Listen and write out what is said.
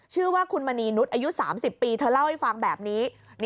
ชื่อว่าคุณมณีนุษย์อายุ๓๐ปีเธอเล่าให้ฟังแบบนี้